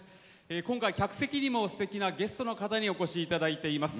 今回、客席にもすてきなゲストの皆さんにお越しいただいています。